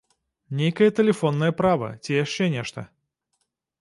Нейкае тэлефоннае права, ці яшчэ нешта?